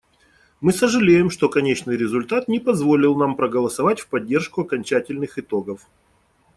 Мы сожалеем, что конечный результат не позволил нам проголосовать в поддержку окончательных итогов.